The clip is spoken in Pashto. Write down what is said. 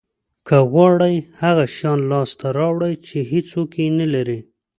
که غواړی هغه شیان لاسته راوړی چې هیڅوک یې نه لري